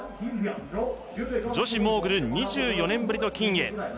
女子モーグル２４年ぶりの金へ。